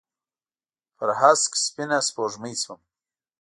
پر هسک سپینه سپوږمۍ شوم